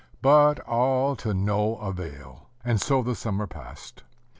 ] but all to no avail. And so the summer passed.